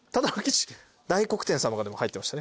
大黒天様が入ってましたね。